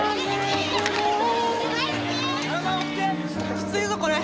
きついぞこれ！